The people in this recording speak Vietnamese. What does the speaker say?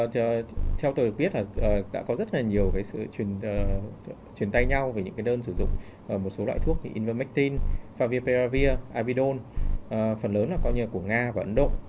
thì theo tôi biết là đã có rất là nhiều cái sự chuyển tay nhau về những cái đơn sử dụng một số loại thuốc như invermectin favipiravir abidol phần lớn là coi như là của nga và ấn độ